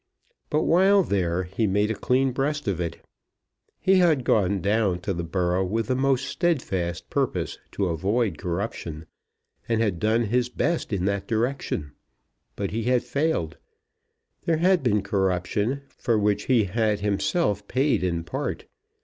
But while there he made a clean breast of it. He had gone down to the borough with the most steadfast purpose to avoid corruption; and had done his best in that direction. But he had failed. There had been corruption, for which he had himself paid in part.